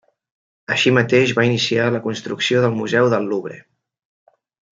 Així mateix va iniciar la construcció del museu del Louvre.